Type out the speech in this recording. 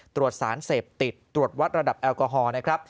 ตรวจสารเสพติดตรวจวัดระดับแอลกอฮอล์นะครับ